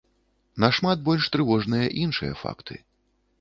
Нашмат больш трывожныя іншыя факты.